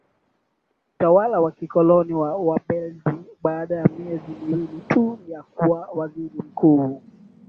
utawala wa kikoloni wa WabelgijiBaada ya miezi miwili tu ya kuwa Waziri Mkuu